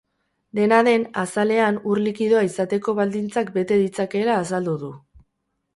Dena den, azalean ur likidoa izateko baldintzak bete ditzakeela azaldu du.